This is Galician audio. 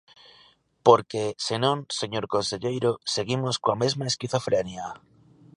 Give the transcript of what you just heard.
Porque, se non, señor conselleiro, seguimos coa mesma esquizofrenia.